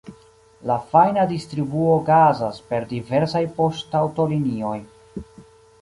La fajna distribuo okazas per diversaj poŝtaŭtolinioj.